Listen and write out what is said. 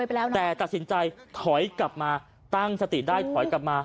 แต่ตัดสินใจถอยกลับมาตั้งสติได้ถอยกลับมา